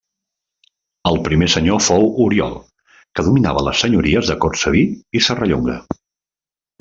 El primer senyor fou Oriol, que dominava les senyories de Cortsaví i Serrallonga.